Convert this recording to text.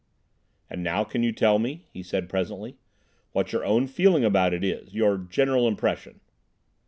"And now can you tell me," he said presently, "what your own feeling about it is—your general impression?"